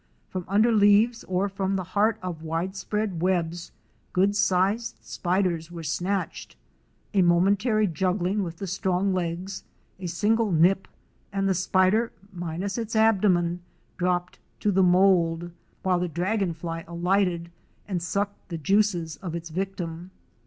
From under leaves or from the heart of widespread webs, good sized spiders were snatched. A momentary juggling with the strong legs, a single nip and the spider minus its abdomen dropped to the mould, while the dragon fly alighted and sucked the juices of its victim.